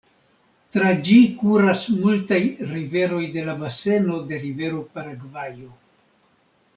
Tra ĝi kuras multaj riveroj de la baseno de rivero Paragvajo.